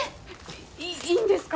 いいんですか？